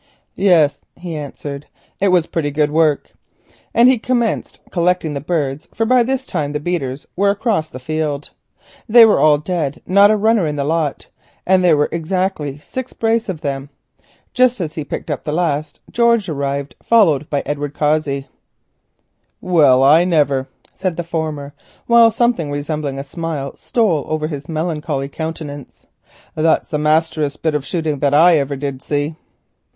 "Yes," he answered, "it was pretty good work;" and he commenced collecting the birds, for by this time the beaters were across the field. They were all dead, not a runner in the lot, and there were exactly six brace of them. Just as he picked up the last, George arrived, followed by Edward Cossey. "Well I niver," said the former, while something resembling a smile stole over his melancholy countenance, "if that bean't the masterest bit of shooting that ever I did see.